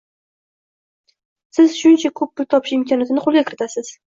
Siz shuncha ko’p pul topish imkoniyatini qo’lga kiritasiz